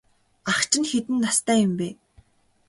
Ах чинь хэдэн настай юм бэ?